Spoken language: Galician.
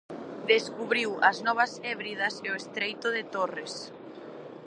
Descubriu as Novas Hébridas e o estreito de Torres.